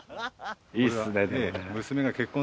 いいっすねでもね。